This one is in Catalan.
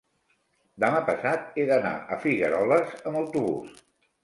Demà passat he d'anar a Figueroles amb autobús.